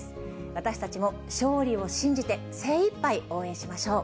私たちも勝利を信じて、精いっぱい応援しましょう。